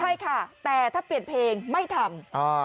ใช่ค่ะแต่ถ้าเปลี่ยนเพลงไม่ทำ